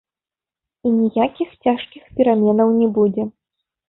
І ніякіх цяжкіх пераменаў не будзе.